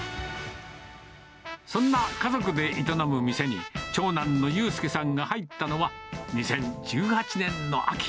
そんな家族で営む店に、長男の悠佑さんが入ったのは２０１８年の秋。